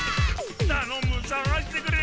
たのむさがしてくれ！